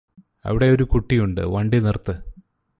അവിടെയൊരു കുട്ടിയുണ്ട് വണ്ടി നിര്ത്ത്